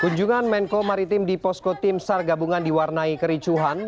kunjungan menko maritim di posko tim sar gabungan diwarnai kericuhan